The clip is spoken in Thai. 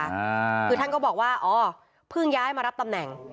คือท่านก็บอกว่าอ๋อเพิ่งย้ายมารับตำแหน่ง